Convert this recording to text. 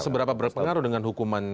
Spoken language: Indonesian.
seberapa berpengaruh dengan hukuman